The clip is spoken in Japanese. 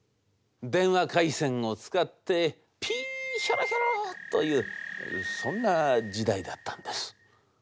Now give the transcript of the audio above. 電話回線を使ってピーヒョロヒョロというそんな時代だったんです。